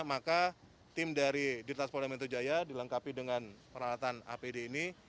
maka tim dari dirtas polda metro jaya dilengkapi dengan peralatan apd ini